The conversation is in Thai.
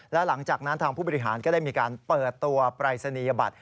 และหลังจากนั้นทางผู้บริหารก็ได้มีการเปิดตัวปรายศนียบัตร